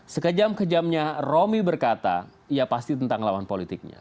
sekejam kejamnya romi berkata ya pasti tentang lawan politiknya